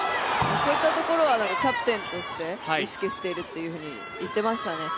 そういったところはキャプテンとして意識しているというふうに言っていましたね。